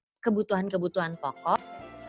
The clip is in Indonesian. kembali ke kebutuhan kebutuhan pokok